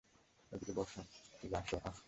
এদিকে আসো - আহ!